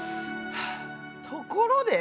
ところで。